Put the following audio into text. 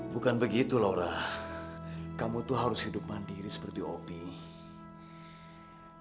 bukan begitu laura kamu tuh harus hidup mandiri seperti obi